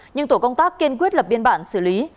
nhưng tổ công tác kiên quyết lập biên bản xử lý